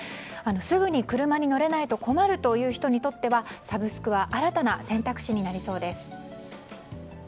すぐに車に乗れないと困るという人にとってはサブスクは新たな選択肢になりそうです。